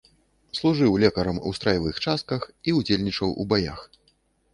Служыў лекарам у страявых частках і ўдзельнічаў у баях.